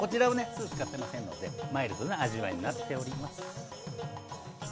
酢使ってませんのでマイルドな味わいになっております。